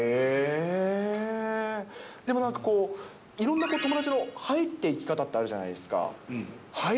でもなんか、いろんな友達の入っていき方って、あるじゃないですか。